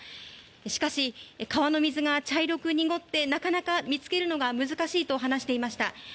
しかし川の水が茶色く濁ってなかなか見つけるのが難しいと話していました。